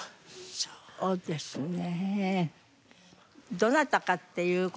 そうですよね。